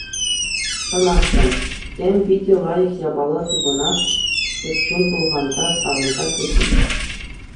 Чӑнах та, тем питӗ лайӑх япала тупӑнас пек чун пӑлханса савӑнса кӗтет.